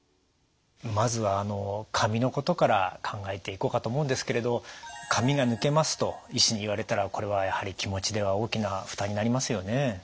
まずはあの髪のことから考えていこうかと思うんですけれど「髪が抜けます」と医師に言われたらこれはやはり気持ちでは大きな負担になりますよね。